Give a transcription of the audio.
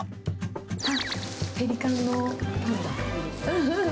あっ、ペリカンのパンだ。